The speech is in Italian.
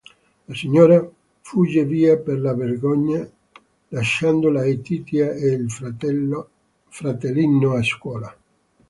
La signora fugge via per la vergogna, lasciando Laetitia e il fratellino a scuola.